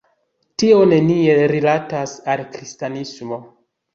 Tio neniel rilatas al kristanismo.